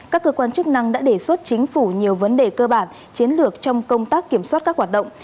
các cơ quan chức năng đã đề xuất chính phủ nhiều vấn đề cơ bản chiến lược trong công tác kiểm soát các hoạt động